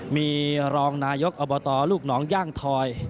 มีรองนายกอบตลูกหนองย่างทอย